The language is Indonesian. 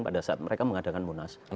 pada saat mereka mengadakan munas